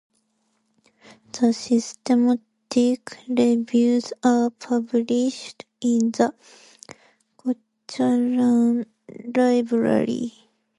The systematic reviews are published in the Cochrane Library.